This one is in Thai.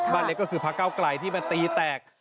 เล็กก็คือพระเก้าไกลที่มาตีแตก